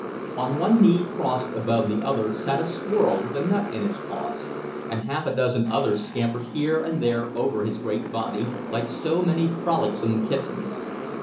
On one knee crossed above the other sat a squirrel with a nut in its paws, and half a dozen others scampered here and there over his great body, like so many frolicsome kittens.